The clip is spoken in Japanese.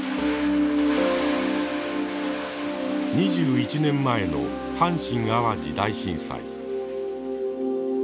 ２１年前の阪神・淡路大震災。